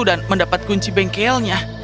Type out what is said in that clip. dan mendapat kunci bengkelnya